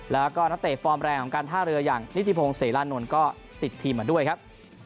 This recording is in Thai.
แล้วก็นักเตะฟอร์มแรงของการท่าเรืออย่างนิติพงศิรานนท์ก็ติดทีมมาด้วยครับ